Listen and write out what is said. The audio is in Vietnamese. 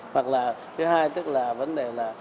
hoặc là thứ hai tức là vấn đề là